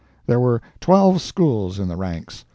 There were twelve schools in the ranks...